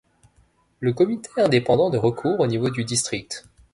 Le comité indépendant de recours au niveau du District.